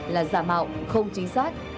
là giả mạo không chính xác